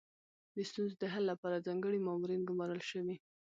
د ستونزو د حل لپاره ځانګړي مامورین ګمارل شوي.